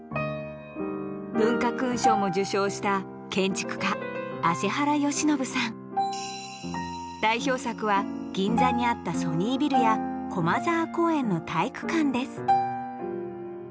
文化勲章も受章した建築家代表作は銀座にあったソニービルや駒沢公園の体育館です。